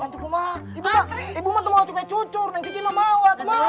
eh ibu mah cuma mau cucur neng cici mah mau